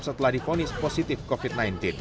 setelah difonis positif covid sembilan belas